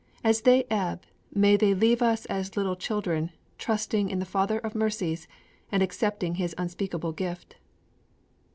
As they ebb, may they leave us as little children trusting in the Father of Mercies and accepting His unspeakable gift.'